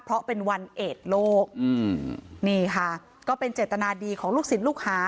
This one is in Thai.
เพราะเป็นวันเอดโลกอืมนี่ค่ะก็เป็นเจตนาดีของลูกศิษย์ลูกหา